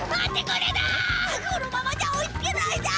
このままじゃ追いつけないだ！